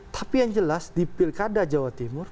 tapi yang jelas di pilkada jawa timur